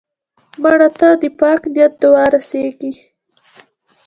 مړه ته د پاک نیت دعا رسېږي